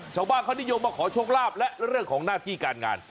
ชาวบ้านเขานิยมมาขอโชคลาภและเรื่องของหน้าที่การงาน